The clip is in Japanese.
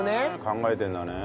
考えてるんだね。